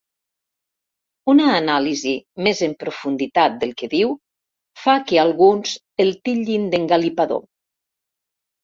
Una anàlisi més en profunditat del que diu fa que alguns el titllin d'engalipador.